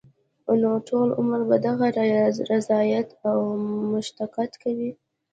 نو ټول عمر به دغه رياضت او مشقت کوي -